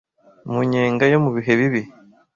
mu nyenga yo mu bihe bibi